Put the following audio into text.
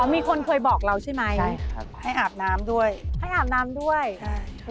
มีคนเคยบอกเราใช่ไหมใช่ครับให้อาบน้ำด้วยให้อาบน้ำด้วยใช่